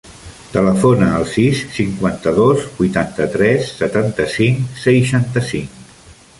Telefona al sis, cinquanta-dos, vuitanta-tres, setanta-cinc, seixanta-cinc.